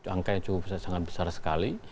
angka yang cukup sangat besar sekali